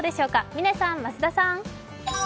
嶺さん、増田さん！